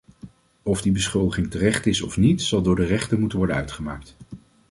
Of die beschuldiging terecht is of niet zal door de rechter moeten worden uitgemaakt.